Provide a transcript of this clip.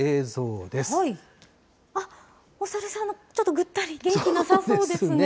あっ、お猿さん、ちょっとぐったり、元気なさそうですね。